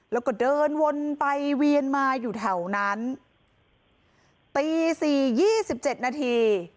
แล้วก็เดินวนไปเวียนมาอยู่แถวนั้นตีสี่ยี่สิบเจ็ดนาที